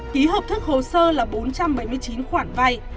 ký hợp thức hồ sơ là bốn trăm bảy mươi chín khoản vay